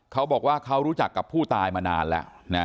เขาบอกว่าเขารู้จักกับผู้ตายมานานแล้วนะ